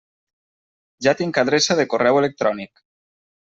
Ja tinc adreça de correu electrònic.